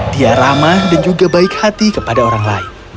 dia ramah dan juga baik hati kepada orang lain